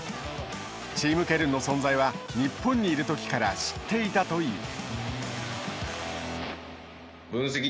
チームケルンの存在は日本にいる時から知っていたという。